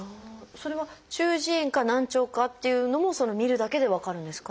それは中耳炎か難聴かっていうのも診るだけで分かるんですか？